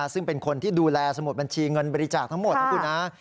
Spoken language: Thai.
ซึ่งเป็นคนที่ดูแลสมุดบัญชีเงินบริจาคทั้งหมดนะคุณนะ